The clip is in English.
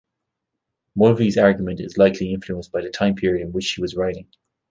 Mulvey's argument is likely influenced by the time period in which she was writing.